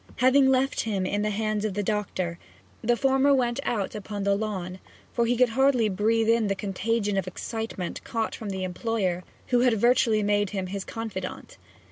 Having left him in the hands of the doctor, the former went out upon the lawn, for he could hardly breathe in the contagion of excitement caught from the employer who had virtually made him his confidant.